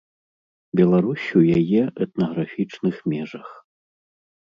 Беларусь у яе этнаграфічных межах.